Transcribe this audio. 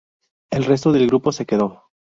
El resto del grupo se quedó.